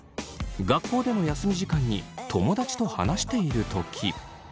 学校での休み時間に友達と話しているとき。